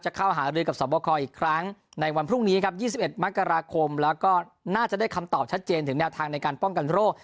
เข้าหารือกับสวบคออีกครั้งในวันพรุ่งนี้ครับ๒๑มกราคมแล้วก็น่าจะได้คำตอบชัดเจนถึงแนวทางในการป้องกันโรค